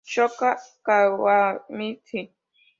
Shota Kawanishi